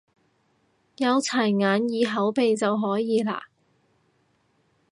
有齊眼耳口鼻都可以啦？